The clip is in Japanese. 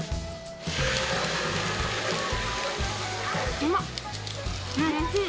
うまっ！